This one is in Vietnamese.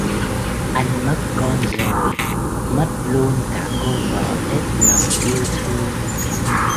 Anh mất con rồi mất luôn cả cô vợ hết lòng yêu thương